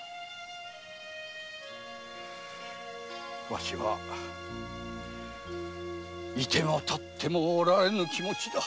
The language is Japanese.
ワシはいても立ってもおられぬ気持ちだ。